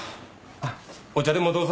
あっお茶でもどうぞ。